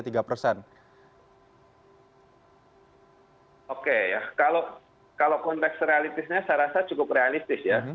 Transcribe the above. oke ya kalau konteks realistisnya saya rasa cukup realistis ya